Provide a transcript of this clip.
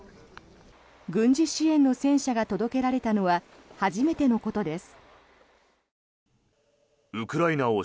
軍事支援の戦車が届けられたのは初めてのことです。